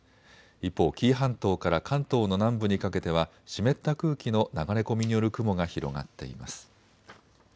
一方、紀伊半島から関東の南部にかけては湿った空気の流れ込みによる雲が広がっています。